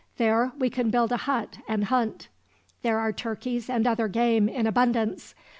There we can build a hut and hunt. There are turkeys and other game in abundance.